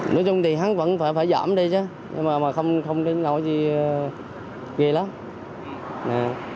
nói chung thì hắn vẫn phải giảm đi chứ nhưng mà không nói gì ghê lắm